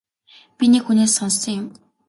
Би нэг хүнээс сонссон юм.